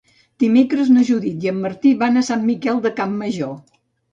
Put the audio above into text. Dimecres na Judit i en Martí van a Sant Miquel de Campmajor.